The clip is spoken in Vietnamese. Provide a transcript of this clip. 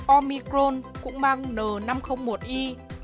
omicron cũng mang n năm trăm linh một y